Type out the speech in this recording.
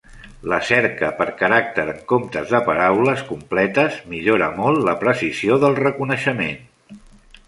La cerca per caràcter en comptes de paraules completes millora molt la precisió del reconeixement.